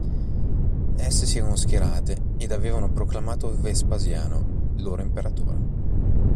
Esse si erano schierate ed avevano proclamato Vespasiano, loro imperatore.